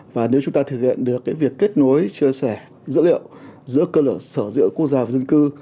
và nếu chúng ta thực hiện được việc kết nối chia sẻ dữ liệu giữa cơ sở dữ liệu quốc gia và dân cư